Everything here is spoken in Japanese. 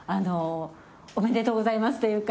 おめでとうございますというか。